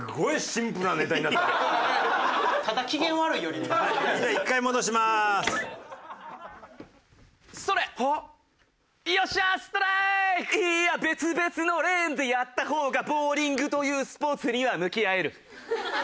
いや別々のレーンでやった方がボウリングというスポーツには向き合える。